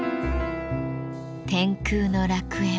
天空の楽園。